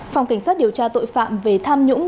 phòng cảnh sát điều tra tội phạm về tham nhũng